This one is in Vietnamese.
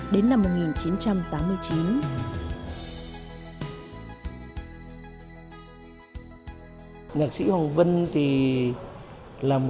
đến năm một nghìn chín trăm tám mươi chín